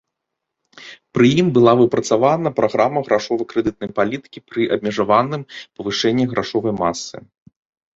Пры ім была выпрацавана праграма грашова-крэдытнай палітыкі пры абмежаваным павышэнні грашовай масы.